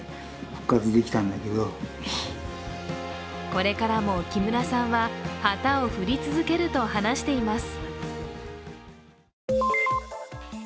これからも木村さんは旗を振り続けると話しています。